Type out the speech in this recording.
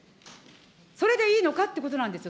それでいいのかってことなんですよ。